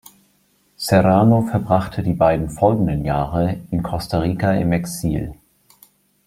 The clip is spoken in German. Serrano verbrachte die beiden folgenden Jahre in Costa Rica im Exil.